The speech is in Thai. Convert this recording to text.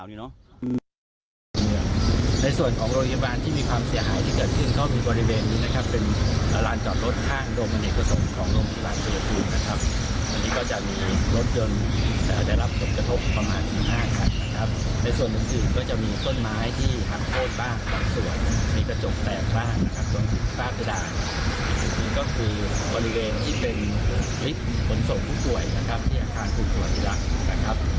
อันนี้ก็คือบริเวณที่เป็นลิฟท์ผลส่งผู้ถ่วยนะครับที่อาคารผู้ถ่วยแล้วนะครับ